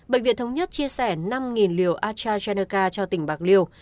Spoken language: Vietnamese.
bệnh viện thống nhất chia sẻ năm liều astrazeneca cho tỉnh bạc liêu